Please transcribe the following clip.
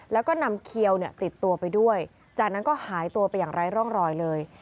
แล้วก็นำเขียวติดตัวไปด้วยจากนั้นก็หายตัวไปอย่างไร้ร่องรอยเลย